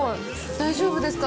大丈夫ですか。